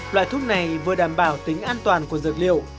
loại thuốc này vừa đảm bảo tính an toàn của dược liệu